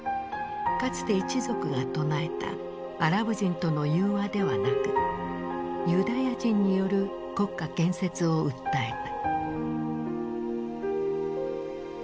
かつて一族が唱えたアラブ人との融和ではなくユダヤ人による国家建設を訴えた。